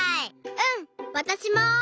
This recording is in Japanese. うん！わたしも！